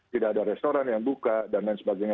tidak ada restoran yang buka dan lain sebagainya